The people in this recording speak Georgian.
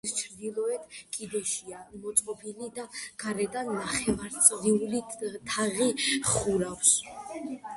კარი კედლის ჩრდილოეთ კიდეშია მოწყობილი და გარედან ნახევარწრიული თაღი ხურავს.